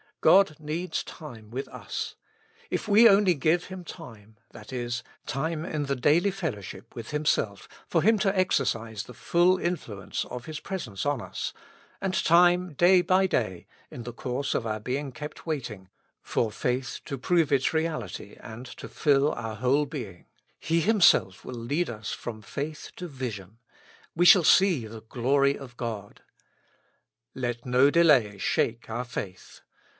God needs time with us. If we only give Him time, that is, time in the daily fellowship with Himself, for Him to ex ercise the full influence of His presence on us, and time, day by day, in the course of our being kept waiting, for faith to prove its reality and to fill our whole being, He Himself will lead us from faith to vision ; we shall see the glory of God, Let no delay shake our faith.